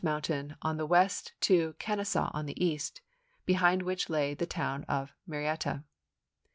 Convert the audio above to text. Mountain on the west to Kenesaw on the east, be hind which lay the town of Marietta.